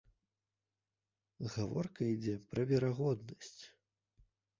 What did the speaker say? Гаворка ідзе пра верагоднасць.